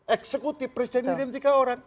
eksekutif presiden tiga orang